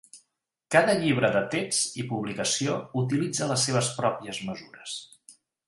Cada llibre de text i publicació utilitza les seves pròpies mesures.